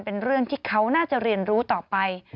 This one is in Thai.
เป็นเรื่องที่เขาน่าจะเรียนรู้ต่อไป